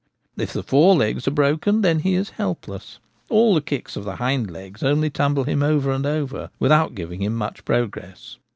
If the forelegs are broken, then he is helpless : all the kicks of the hind legs only tumble him over and over with out giving him much progress.